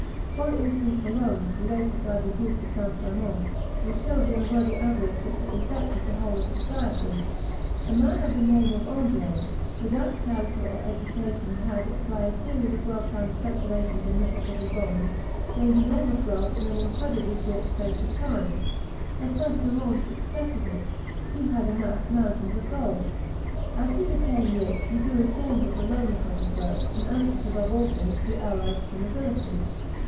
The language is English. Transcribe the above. One instance alone, related by the Duke de St. Simon, will shew the unworthy avarice which infected the whole of society. A man of the name of André, without character or education, had, by a series of well timed speculations in Mississippi bonds, gained enormous wealth in an incredibly short space of time. As St. Simon expresses it, "he had amassed mountains of gold." As he became rich, he grew ashamed of the lowness of his birth, and anxious above all things to be allied to nobility.